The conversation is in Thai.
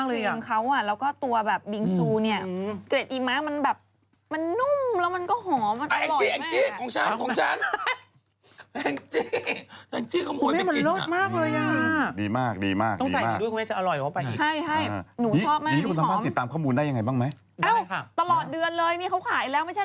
เอ้าตลอดเดือนเลยอันนี้เขาขายแล้วไม่ใช่เหรอคะ